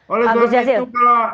oleh sebab itu